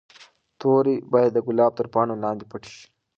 توري باید د ګلاب تر پاڼو لاندې پټې شي.